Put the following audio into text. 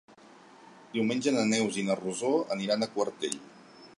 Diumenge na Neus i na Rosó aniran a Quartell.